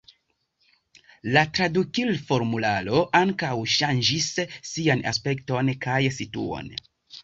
La tradukil-formularo ankaŭ ŝanĝis sian aspekton kaj situon.